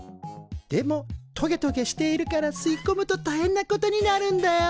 でもトゲトゲしているから吸いこむとたいへんなことになるんだよ。